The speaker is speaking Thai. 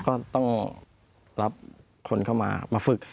ก็ต้องรับคนเข้ามามาฝึก